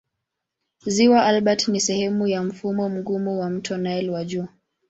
Ziwa Albert ni sehemu ya mfumo mgumu wa mto Nile wa juu.